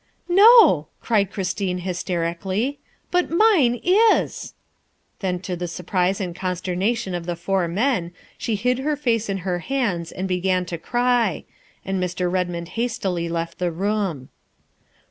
'' No, '' cried Christine hysterically, '' but mine is !" Then, to the surprise and consternation of the four men, she hid her face in her hands and began to cry, and Mr. Redmond hastily left the room.